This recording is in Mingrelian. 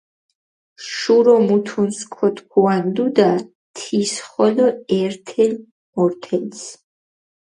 შურო მუთუნს ქოთქუანდუდა, თის ხოლო ერთელ-მერთელს.